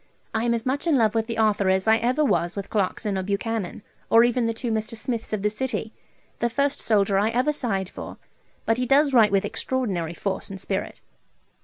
I am as much in love with the author as I ever was with Clarkson or Buchanan, or even the two Mr. Smiths of the city. The first soldier I ever sighed for; but he does write with extraordinary force and spirit.